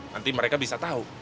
nanti mereka bisa tahu